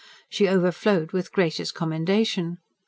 She overflowed with gracious commendation.